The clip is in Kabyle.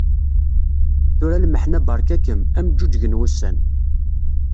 Tura lmeḥna barka-am, ad am-ğuğgen wussan.